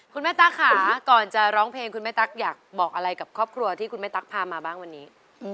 คุณแม่ตั๊กค่ะก่อนจะร้องเพลงคุณแม่ตั๊กอยากบอกอะไรกับครอบครัวที่คุณแม่ตั๊กพามาบ้างวันนี้